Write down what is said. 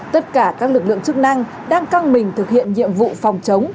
tất cả các lực lượng chức năng đang căng mình thực hiện nhiệm vụ phòng chống